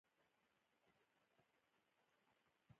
هڅه او زیار د بریالیتوب شرط دی.